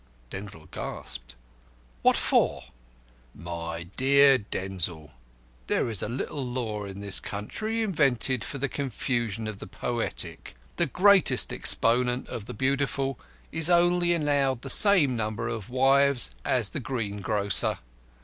Denzil gasped, "What for?" "My dear Denzil, there is a little law in this country invented for the confusion of the poetic. The greatest exponent of the Beautiful is only allowed the same number of wives as the greengrocer.